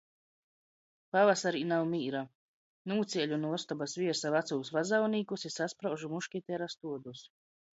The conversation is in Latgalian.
Pavasarī nav mīra, nūcieļu nu ustobys viersa vacūs vazaunīkus i saspraužu muškitera stuodus.